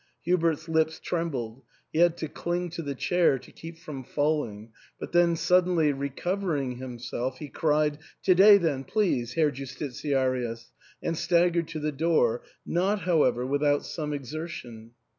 Hubert's lips trembled ; he had to cling to the chair to keep from falling ; but then suddenly recovering himself, he cried, " To day then, please, Herr Justitiarius," and staggered to the door, not, how ever, without some exertion.